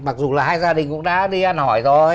mặc dù là hai gia đình cũng đã đi ăn hỏi rồi